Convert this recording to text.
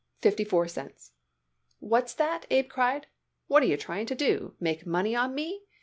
"Fifty four cents." "What's that?" Abe cried. "What yer trying to do? Make money on me?